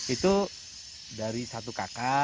itu dari satu kakak